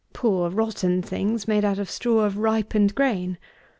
Poor rotten things, made out of straw of ripened grain.